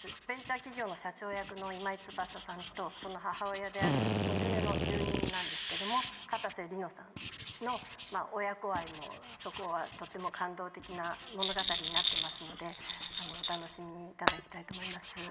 ベンチャー企業の社長役の今井翼さんとその母親である水根の住人なんですけどもかたせ梨乃さんの親子愛もそこはとっても感動的な物語になってますのでお楽しみにいただきたいと思います。